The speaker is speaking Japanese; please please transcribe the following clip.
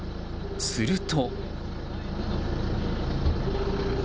すると。